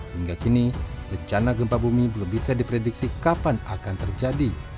hingga kini bencana gempa bumi belum bisa diprediksi kapan akan terjadi